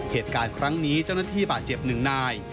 เหตุการณ์ครั้งนี้เจ้าหน้าที่บาดเจ็บหนึ่งนาย